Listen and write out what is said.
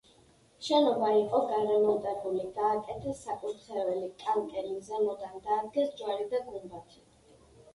შენობა იყო გარემონტებული, გააკეთეს საკურთხეველი, კანკელი, ზემოდან დაადგეს ჯვარი და გუმბათი.